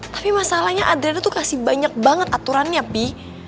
tapi masalahnya adriana tuh kasih banyak banget aturannya pi